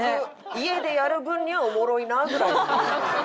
家でやる分にはおもろいなぐらいのもの。